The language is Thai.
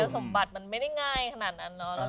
สมบัติมันไม่ได้ง่ายขนาดนั้นเนาะ